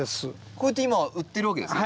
こうやって今売ってるわけですか？